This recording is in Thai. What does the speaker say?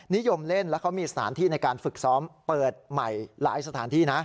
นิยมเล่นแล้วเขามีสถานที่ในการฝึกซ้อมเปิดใหม่หลายสถานที่นะ